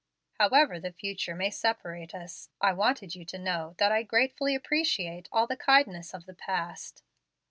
"However the future may separate us, I wanted you to know that I gratefully appreciate all the kindness of the past.